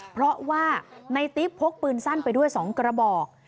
เพราะว่าในติ๊บพกปืนสั้นไปด้วย๒กระบอก